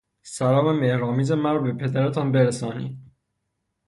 سلام مهر آمیز مرا به پدرتان برسانید.